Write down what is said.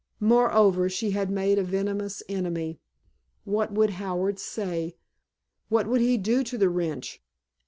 Moreover she had made a venomous enemy. What would Howard say? What would he do to the wretch?